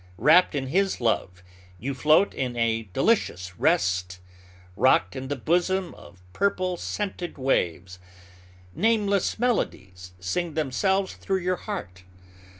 Wrapped in his love, you float in a delicious rest, rocked in the bosom of purple, scented waves. Nameless melodies sing themselves through your heart.